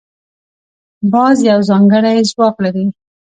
باز یو ځانګړی ځواک لري